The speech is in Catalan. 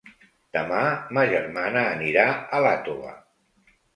Demà ma germana anirà a Iàtova.